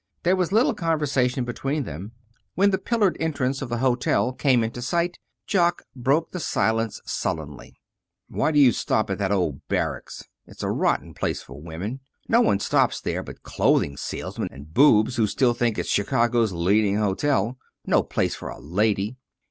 There was little conversation between them. When the pillared entrance of the hotel came into sight Jock broke the silence, sullenly: "Why do you stop at that old barracks? It's a rotten place for a woman. No one stops there but clothing salesmen and boobs who still think it's Chicago's leading hotel. No place for a lady."